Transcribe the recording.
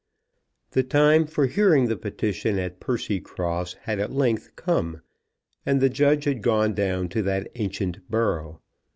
The time for hearing the petition at Percycross had at length come, and the judge had gone down to that ancient borough.